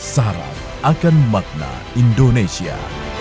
saran akan makna indonesia